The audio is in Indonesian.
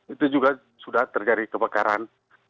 itu juga sudah terjadi kebakaran